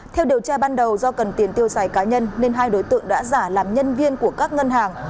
theo điều tra ban đầu do cần tiền tiêu xài cá nhân nên hai đối tượng đã giả làm nhân viên của các ngân hàng